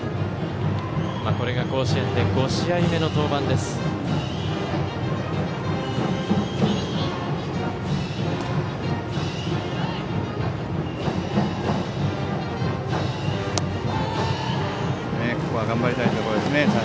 これが甲子園で５試合目の登板です、佐山。